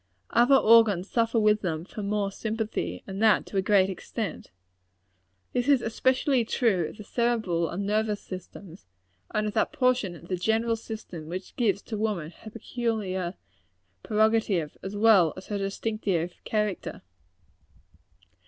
Other organs suffer with them from mere sympathy; and that to a very great extent. This is especially true of the cerebral and nervous system; and of that portion of the general system which gives to woman her peculiar prerogative, as well as her distinctive character.